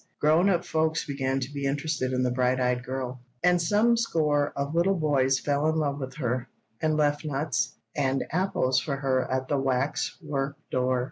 Grown up folks began to be interested in the bright eyed girl, and some score of little boys fell in love with her, and left nuts and apples for her at the wax work door.